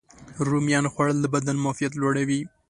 رومیانو خوړل د بدن معافیت لوړوي.